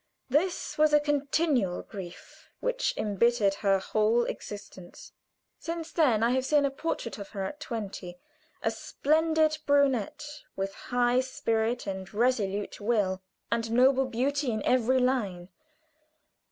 This was a continual grief which imbittered her whole existence. Since then I have seen a portrait of her at twenty a splendid brunette, with high spirit and resolute will and noble beauty in every line.